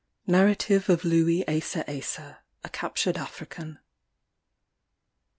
NARRATIVE OF LOUIS ASA ASA, A CAPTURED AFRICAN.